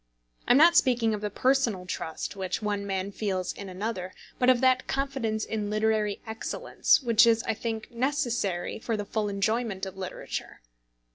I am not speaking of the personal trust which one man feels in another, but of that confidence in literary excellence, which is, I think, necessary for the full enjoyment of literature.